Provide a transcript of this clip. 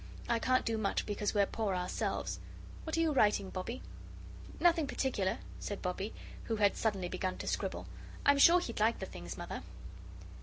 I can't do much because we're poor ourselves. What are you writing, Bobbie?" "Nothing particular," said Bobbie, who had suddenly begun to scribble. "I'm sure he'd like the things, Mother."